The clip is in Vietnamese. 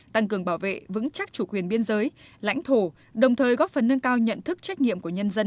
tăng cường bảo vệ vững chắc chủ quyền biên giới lãnh thổ đồng thời góp phần nâng cao nhận thức trách nhiệm của nhân dân